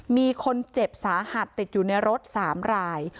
มีคนเจ็บสาหัสติดอยู่ในรถ๓ราย